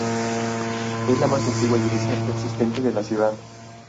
Es la más antigua iglesia existente de la ciudad.